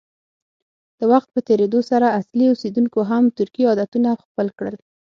د وخت په تېرېدو سره اصلي اوسیدونکو هم ترکي عادتونه خپل کړل.